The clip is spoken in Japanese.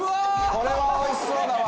「これはおいしそうだわ」